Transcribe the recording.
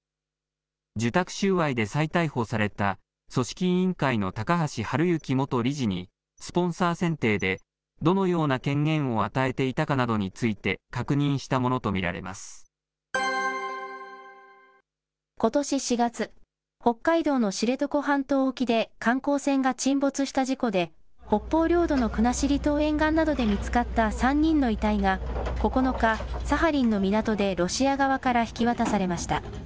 受託収賄で再逮捕された組織委員会の高橋治之元理事に、スポンサー選定で、どのような権限を与えていたかなどについて、確認したことし４月、北海道の知床半島沖で観光船が沈没した事故で、北方領土の国後島沿岸などで見つかった３人の遺体が、９日、サハリンの港でロシア側から引き渡されました。